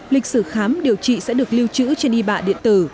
lịch sử khám điều trị sẽ được liều chữ trên y bạ điện tử